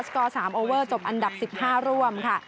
กอร์๓โอเวอร์จบอันดับ๑๕ร่วมค่ะ